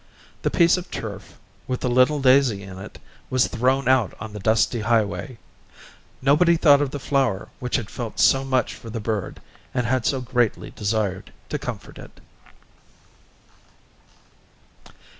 The piece of turf, with the little daisy in it, was thrown out on the dusty highway. Nobody thought of the flower which had felt so much for the bird and had so greatly desired to comfort it.